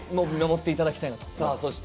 見守っていただきたいなと。